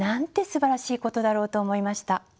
すばらしいことだろうと思いました。